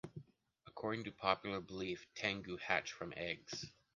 According to popular belief, Tengu hatch from eggs.